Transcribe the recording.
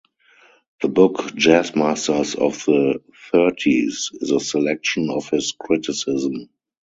The book "Jazz Masters of the Thirties" is a selection of his criticism.